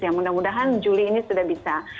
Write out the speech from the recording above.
ya mudah mudahan juli ini sudah bisa